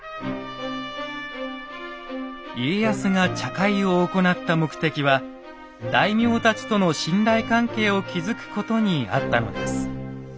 家康が茶会を行った目的は大名たちとの信頼関係を築くことにあったのです。